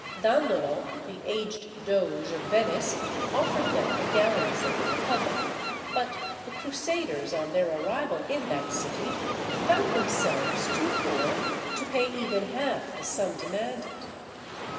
Dandolo, the aged doge of Venice, offered them the galleys of the Republic; but the Crusaders, on their arrival in that city, found themselves too poor to pay even half the sum demanded.